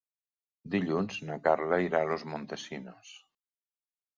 Dilluns na Carla irà a Los Montesinos.